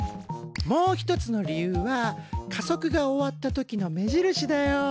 もう一つの理由は加速が終わった時の目印だよ。